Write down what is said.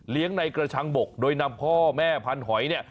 เลี้ยงในกระชังบกโดยนำพ่อแม่พันธุ์หอยเนี่ย